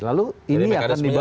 lalu ini akan dibawa